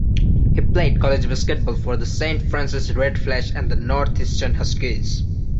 He played college basketball for the Saint Francis Red Flash and the Northeastern Huskies.